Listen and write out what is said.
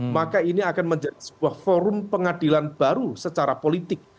maka ini akan menjadi sebuah forum pengadilan baru secara politik